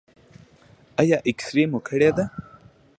ایا اکسرې مو کړې ده؟